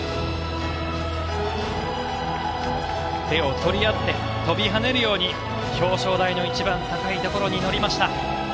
手を取り合って跳びはねるように表彰台の一番高いところに乗りました。